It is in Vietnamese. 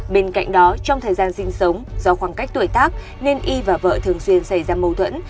bên cạnh đó trong thời gian sinh sống do khoảng cách tuổi tác nên y và vợ thường xuyên xảy ra mâu thuẫn